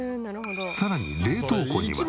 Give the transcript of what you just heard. さらに冷凍庫には。